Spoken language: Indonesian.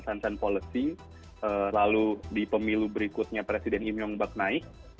kebijakan shanshan policy lalu di pemilu berikutnya presiden im yong bak naik